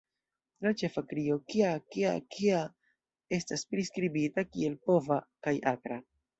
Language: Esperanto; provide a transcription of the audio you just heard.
La ĉefa krio "kja...kja...kja" estas priskribita kiel pova kaj akra.